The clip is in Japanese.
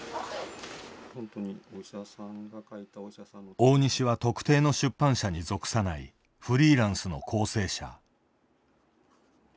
大西は特定の出版社に属さないフリーランスの校正者。